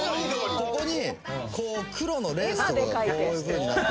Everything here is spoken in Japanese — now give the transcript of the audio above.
「ここに黒のレースとかがこういうふうになっててほしくて」